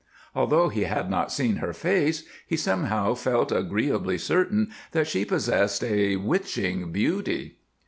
Although he had not seen her face, he somehow felt agreeably certain that she possessed a witching beauty.